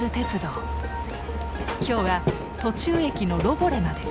今日は途中駅のロボレまで。